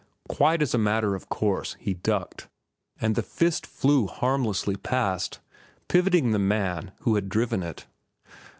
Quite as a matter of course he ducked, and the fist flew harmlessly past, pivoting the man who had driven it.